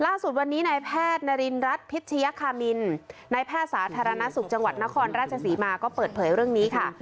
ล่าสุดวันนี้นายแพทย์นารินรัฐพิชยคามินนายแพทย์สาธารณสุขจังหวัดนครราชศรีมาก็เปิดเผยเรื่องนี้ค่ะ